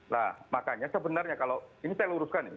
nah makanya sebenarnya kalau ini saya luruskan ini